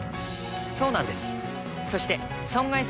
そうなんです。